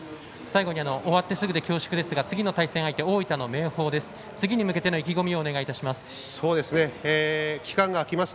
最後に終わってすぐで恐縮ですが次の対戦相手、大分の明豊です。